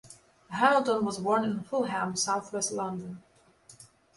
Hamilton was born in Fulham, southwest London.